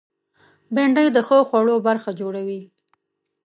بېنډۍ د ښو خوړو برخه جوړوي